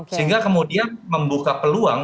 sehingga kemudian membuka peluang